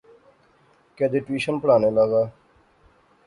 کیدے ٹیوشن پڑھانے لاغا